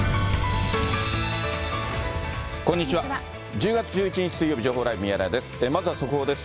１０月１１日水曜日、情報ライブミヤネ屋です。